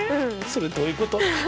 それどういうこと！？